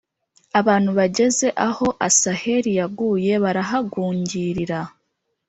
Abantu bageze aho asaheli yaguye barahagungirira